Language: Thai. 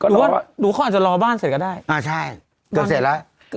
ดูเขาอาจจะรอบ้านเสร็จกันได้อ่าใช่เกือบเสร็จแล้ว